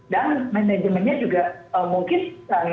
dan manajemennya juga mungkin